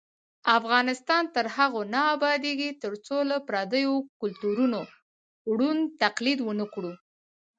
افغانستان تر هغو نه ابادیږي، ترڅو له پردیو کلتورونو ړوند تقلید ونکړو.